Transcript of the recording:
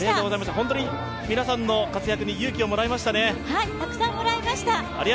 本当に皆さんの活躍に勇気をもらいましたね。